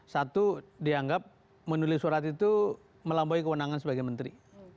satu dianggap menulis surat itu melampaui kewenangan sebagai menteri